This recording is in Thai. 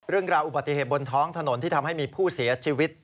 เรื่องราวอุบัติเหตุบนท้องถนนที่ทำให้มีผู้เสียชีวิต